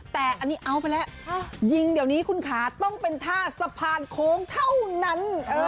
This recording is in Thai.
แต่อันนี้เอาไปแล้วยิงเดี๋ยวนี้คุณขาต้องเป็นท่าสะพานโค้งเท่านั้น